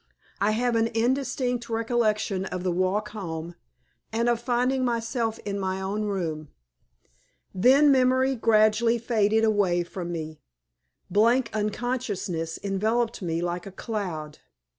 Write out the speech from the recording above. I have an indistinct recollection of the walk home, and of finding myself in my own room. Then memory gradually faded away from me. Blank unconsciousness enveloped me like a cloud.